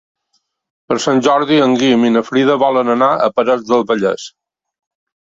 Per Sant Jordi en Guim i na Frida volen anar a Parets del Vallès.